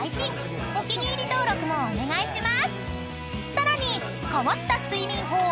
［さらに］